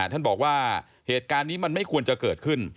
ท่านบอกว่าเหตุการณ์นี้มันไม่ควรจะเกิดขึ้น